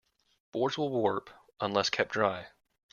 Boards will warp unless kept dry.